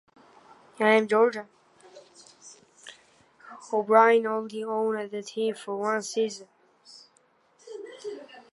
O'Brien only owned the team for one season.